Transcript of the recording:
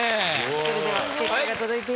それでは結果が届いています。